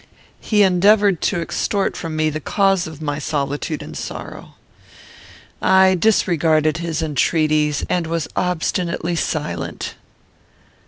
He endeavoured to extort from me the cause of my solitude and sorrow. I disregarded his entreaties, and was obstinately silent.